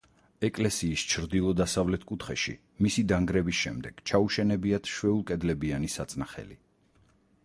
ეკლესიის ჩრდილო-დასავლეთ კუთხეში, მისი დანგრევის შემდეგ, ჩაუშენებიათ შვეულკედლებიანი საწნახელი.